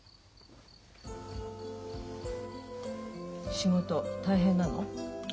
仕事大変なの？